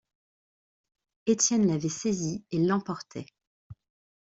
Étienne l’avait saisie et l’emportait.